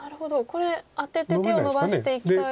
これアテて手をのばしていきたいですが。